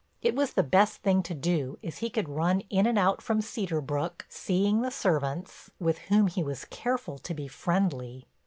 It was the best thing to do as he could run in and out from Cedar Brook seeing the servants, with whom he was careful to be friendly.